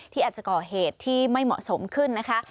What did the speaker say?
ที่อาจจะก่อเหตุที่ไม่เหมาะสมขึ้นนะคะ